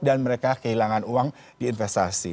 dan mereka kehilangan uang di investasi